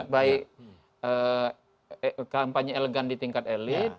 baik kampanye elegan di tingkat elit